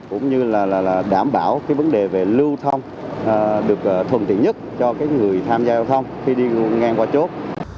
cũng như là đảm bảo cái vấn đề về lưu thông được thuận tiện nhất cho người tham gia giao thông khi đi ngang qua chốt